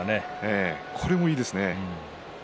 これもいいですね。